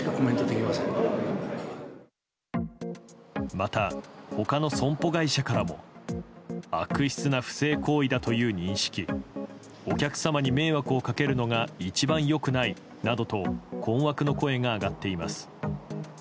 また、他の損保会社からも悪質な不正行為だという認識お客様に迷惑をかけるのが一番良くないなどと困惑の声が上がっています。